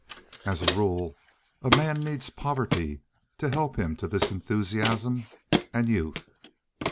As a rule, a man needs poverty to help him to this enthusiasm, and youth.